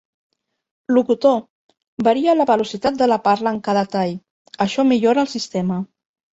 Locutor, varia la velocitat de la parla en cada tall, això millora el sistema.